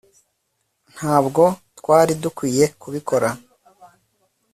ntabwo twari dukwiye kubikora